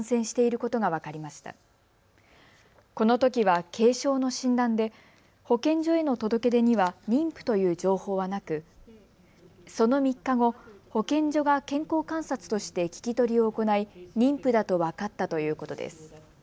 このときは軽症の診断で保健所への届け出には妊婦という情報はなくその３日後、保健所が健康観察として聞き取りを行い、妊婦だと分かったということです。